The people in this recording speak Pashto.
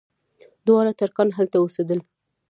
دواړه ترکان هلته اوسېدل.